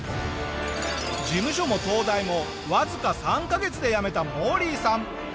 事務所も東大もわずか３カ月で辞めたモーリーさん。